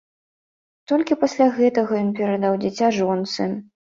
Толькі пасля гэтага ён перадаў дзіця жонцы.